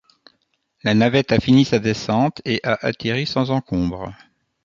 La navette a fini sa descente et a atterri sans encombre.